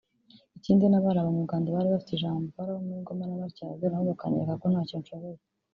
Ikindi n’abari abanyarwanda bari bafite ijambo bari abo muri Ngoma na Matyazo nabo bakanyereka ko ntacyo nshoboye